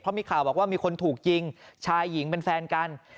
มีข่าวบอกว่ามีคนถูกยิงชายหญิงเป็นแฟนกัน